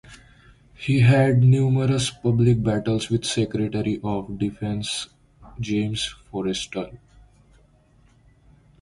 He had numerous public battles with Secretary of Defense James Forrestal.